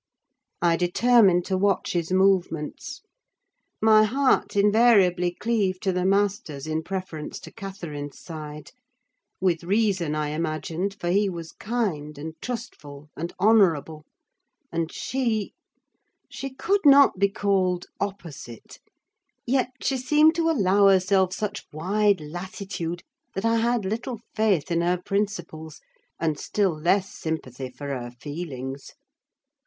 I determined to watch his movements. My heart invariably cleaved to the master's, in preference to Catherine's side: with reason I imagined, for he was kind, and trustful, and honourable; and she—she could not be called the opposite, yet she seemed to allow herself such wide latitude, that I had little faith in her principles, and still less sympathy for her feelings.